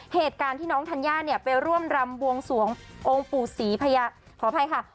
เหตุการณ์ที่น้องธัญญาเนี่ยไปร่วมรำบวงสวงองค์ปู่ศรีขออภัยค่ะ